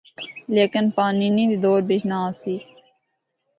لیکن پانینی دے دور بچ نہ آسی۔